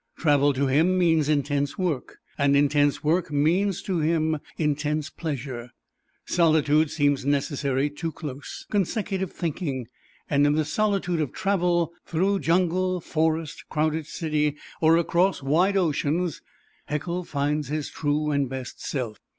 Travel to him means intense work; and intense work means to him intense pleasure. Solitude seems necessary to close, consecutive thinking; and in the solitude of travel, through jungle, forest, crowded city, or across wide oceans, Haeckel finds his true and best self.